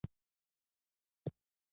کښتۍ مې د ماهیګیرانو د جزیرې په لورې بوتله.